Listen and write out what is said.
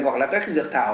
hoặc là các dược thảo